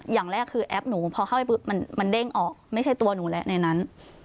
อย่างแรกคือแอปหนูพอเข้าไปปุ๊บมันเด้งออกไม่ใช่ตัวหนูแล้วในนั้น